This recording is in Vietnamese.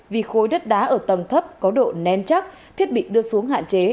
vì khối đất đá ở tầng thấp có độ nén chắc thiết bị đưa xuống hạn chế